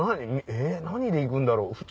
何で行くんだろう？